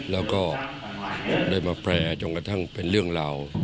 และได้มะแปรเป็นเรื่องราว